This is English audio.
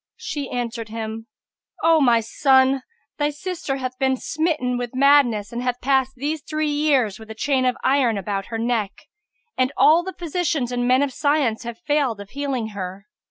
She answered him, "O my son, thy sister hath been smitten with madness and hath passed these three years with a chain of iron about her neck; and all the physicians and men of science have failed of healing her."